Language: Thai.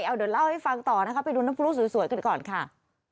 เอาเดี๋ยวเล่าให้ฟังต่อนะคะไปดูน้ำพลุสวยกันก่อนค่ะ